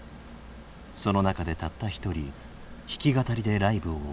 その中でたった１人弾き語りでライブを行う。